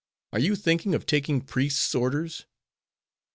Are you thinking of taking priest's orders?"